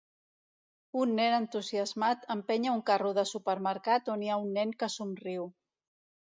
Un nen entusiasmat empenya un carro de supermercat on hi ha un nen que somriu.